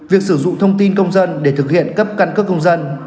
việc sử dụng thông tin công dân để thực hiện cấp căn cước công dân